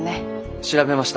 調べました。